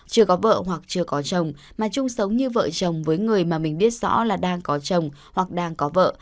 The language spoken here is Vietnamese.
chưa có vợ hoặc chưa có chồng mà chung sống như vợ chồng với người mà mình biết rõ là đang có chồng hoặc đang có vợ